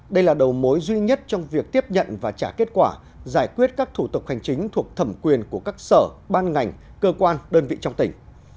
đây là đầu mối duy nhất trong việc tiếp nhận và trả kết quả giải quyết các thủ tục hành chính thuộc thẩm quyền của các sở ban ngành cơ quan đơn vị trong tỉnh